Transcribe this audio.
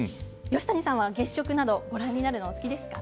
吉谷さんは月食などご覧になるのはお好きですか？